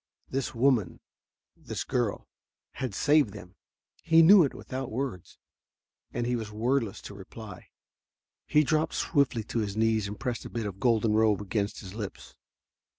This woman this girl had saved them. He knew it without words, and he was wordless to reply. He dropped swiftly to his knees and pressed a bit of the golden robe against his lips.